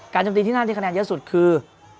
การโจมตีที่หน้าที่คะแนนเยอะสุดคือ